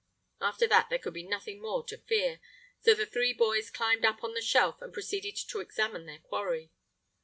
After that there could be nothing more to fear; so the three boys climbed up on the shelf and proceeded to examine their quarry.